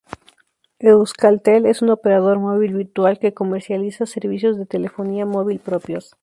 Euskaltel es un operador móvil virtual, que comercializa servicios de telefonía móvil propios.